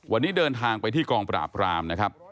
วันนี้เดินทางไปที่กองปราบรามนะครับ